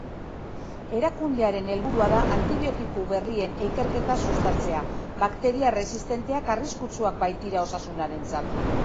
Erakundearen helburua da antibiotiko berrien ikerketa sustatzea, bakteria erresistenteak arriskutsuak baitira osasunarentzat.